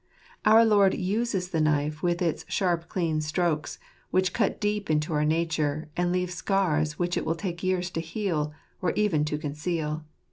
Our Lord uses the knife, with its sharp clean strokes, which cut deep into our nature, and leave scars which it will take years to heal, or even to conceal.